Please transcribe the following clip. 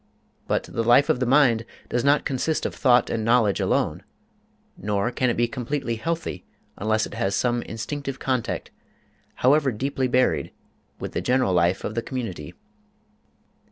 But the life of the mind does not consist of thought and knowledge alone, nor can it be completely healthy unless it has some instinctive contact, however deeply buried, with the general life of the community.